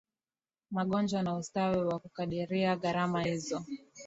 magonjwa na ustawi na kukadiria gharama hizo